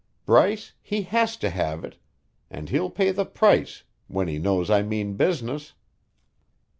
Bryce, he has to have it; and he'll pay the price, when he knows I mean business."